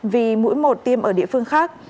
vì mũi một tiêm ở địa phương khác